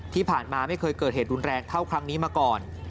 ที่ผ่านมาไม่เคยเกิดเหตุรุนแรงเท่าครั้งนี้มาก่อน